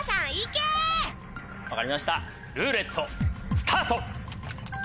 分かりましたルーレットスタート！